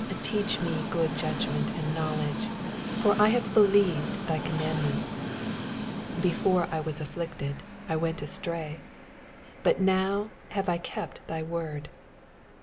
66 Teach me good judgment and knowledge : for I ha\re believed thy commandments. 6/ Before I was afflicted I went astray : but now have I kept thy word.